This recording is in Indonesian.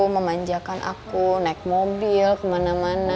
memanjakan aku naik mobil kemana mana